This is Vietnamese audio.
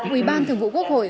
ủy ban thường vụ quốc hội